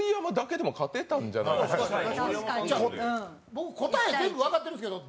僕、答え全部分かってるんですけど。